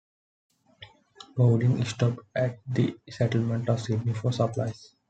Baudin stopped at the settlement of Sydney for supplies.